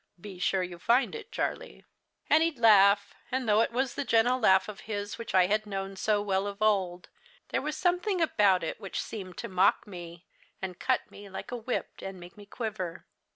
Be sure you find it, Charlie.' "And he'd laugh and, though it was the gentle laugh of his which I had known so well of old, there was something about it which seemed to mock me, and cut me like a whip and make me quiver.